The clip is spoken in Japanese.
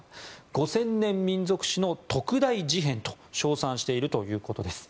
５０００年民族史の特大事変と称賛しているということです。